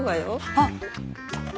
あっ。